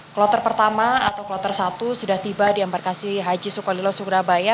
kloter i sudah tiba di embarkasi haji sukolilo surabaya